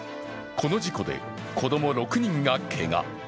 この事故で子供６人がけが。